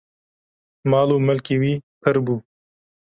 mal û milkê wî pir bû